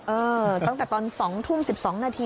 ตั้งแต่ตอน๒ทุ่ม๑๒นาที